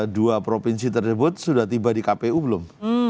dua provinsi tersebut sudah tiba di kpu belum